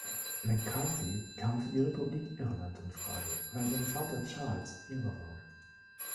McCarthy kam für die Republik Irland in Frage, weil sein Vater, Charles, Ire war.